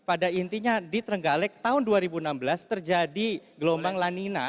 pada intinya di terenggalek tahun dua ribu enam belas terjadi gelombang lanina